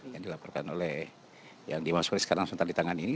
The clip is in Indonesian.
yang dilaporkan oleh yang dimaksudkan sekarang di tangan ini